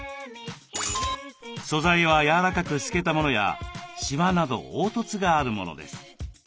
素材は柔らかく透けたものやシワなど凹凸があるものです。